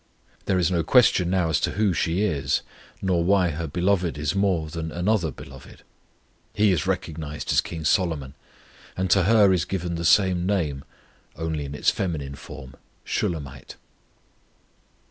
There is no question now as to who she is, nor why her Beloved is more than another beloved; He is recognized as King Solomon, and to her is given the same name, only in its feminine form (Shulammite).